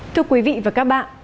thưa quý vị và các bạn